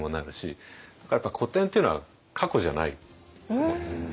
だから古典っていうのは過去じゃないと思ってて。